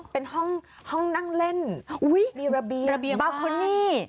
เป็นห้องนั่งเล่นมีระเบียงบ้าน